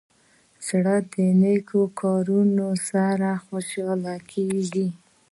زړه د نیکو کارونو سره خوشحاله کېږي.